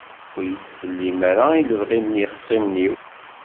Ur iyi-ttsellim ara i lebɣi n yexṣimen-iw.